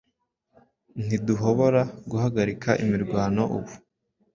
Ntiduhobora guhagarika imirwano ubu